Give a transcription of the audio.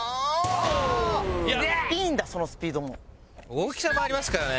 大きさもありますからね。